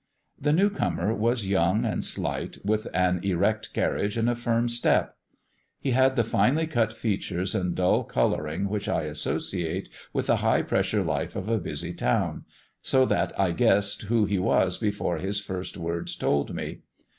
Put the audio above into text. The new comer was young and slight, with an erect carriage and a firm step. He had the finely cut features and dull colouring which I associate with the high pressure life of a busy town, so that I guessed who he was before his first words told me.